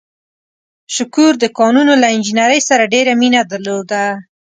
شکور د کانونو له انجنیرۍ سره ډېره مینه درلوده.